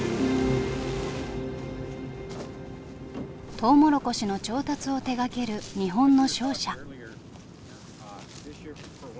トウモロコシの調達を手がける日本の商社。